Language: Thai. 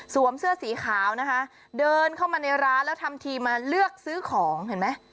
เสื้อสีขาวนะคะเดินเข้ามาในร้านแล้วทำทีมาเลือกซื้อของเห็นไหม